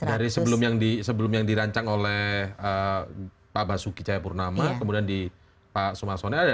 dari sebelum yang dirancang oleh pak basuki cahayapurnama kemudian di pak sumarsono ada